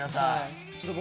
ちょっと僕